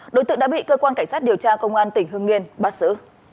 đối tượng đã bị cơ quan cảnh sát điều tra công an tỉnh hương yên bắt xử